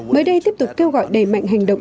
mới đây tiếp tục kêu gọi đầy mạnh hành động